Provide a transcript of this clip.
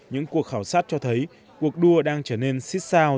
những cuộc khảo sát cho thấy cuộc đua đang trở nên xích sao